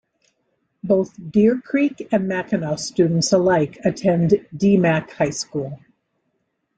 Both Deer Creek and Mackinaw students alike attend Dee-Mack High School.